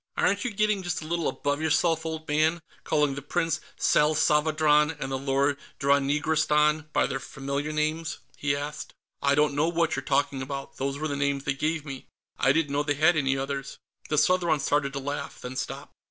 "Aren't you getting just a little above yourself, old man, calling the Prince Salsavadran and the Lord Dranigrastan by their familiar names?" he asked. "I don't know what you're talking about. Those were the names they gave me; I didn't know they had any others." The Southron started to laugh, then stopped.